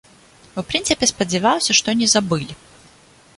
У прынцыпе спадзяваўся, што не забылі.